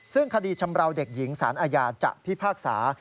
ซึ่งคดีชำราวเด็กหญิงสารอาญาจะพิพากษา